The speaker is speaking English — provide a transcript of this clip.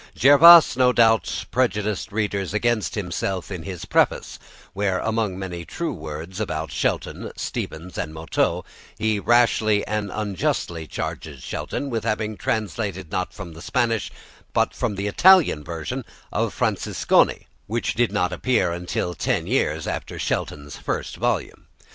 Jervas no doubt prejudiced readers against himself in his preface, where among many true words about Shelton, Stevens, and Motteux, he rashly and unjustly charges Shelton with having translated not from the Spanish, but from the Italian version of Franciosini, which did not appear until ten years after Shelton's first volume.